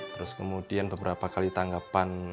terus kemudian beberapa kali tanggapan